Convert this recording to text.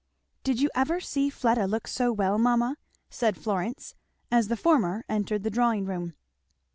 "Did you ever see Fleda look so well, mamma?" said Florence, as the former entered the drawing room.